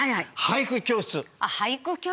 俳句教室。